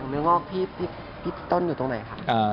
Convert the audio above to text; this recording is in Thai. เนื้องอกพี่ต้นอยู่ตรงไหนค่ะ